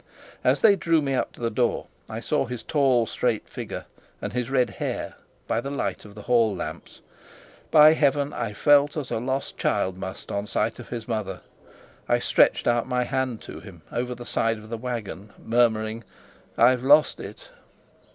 As they drew me up to the door, I saw his tall, straight figure and his red hair by the light of the hall lamps. By Heaven, I felt as a lost child must on sight of his mother! I stretched out my hand to him, over the side of the wagon, murmuring, "I've lost it."